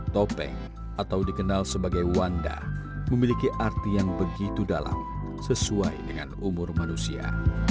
topeng atau dikenal sebagai wanda memiliki arti yang begitu dalam sesuai dengan umur manusia